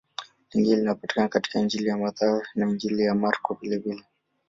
Lingine linapatikana katika Injili ya Mathayo na Injili ya Marko vilevile.